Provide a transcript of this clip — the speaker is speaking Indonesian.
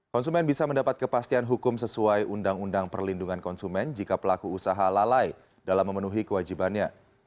konsumen bisa mendapat kepastian hukum sesuai undang undang perlindungan konsumen jika pelaku usaha lalai dalam memenuhi kewajibannya